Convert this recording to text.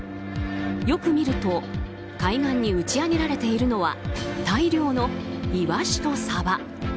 よく見ると海岸に打ち上げられているのは大量のイワシとサバ。